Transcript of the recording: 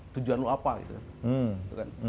tujuan lo apa gitu kan